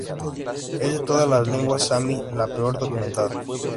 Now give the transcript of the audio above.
Es de todas las lenguas sami la peor documentada.